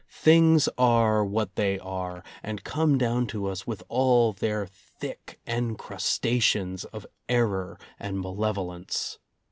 Things are what they are, and come down to us with all their thick encrustations of error and malevolence.